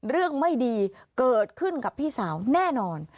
เรื่องไม่ดีเกิดขึ้นกับพี่สาวแน่นอน